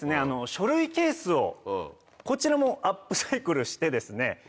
書類ケースをこちらもアップサイクルしてですね